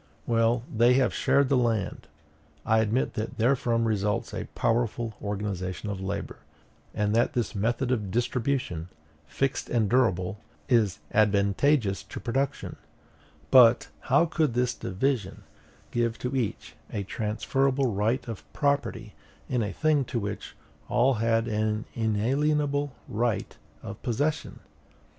Well, they have shared the land. I admit that therefrom results a more powerful organization of labor; and that this method of distribution, fixed and durable, is advantageous to production: but how could this division give to each a transferable right of property in a thing to which all had an inalienable right of possession?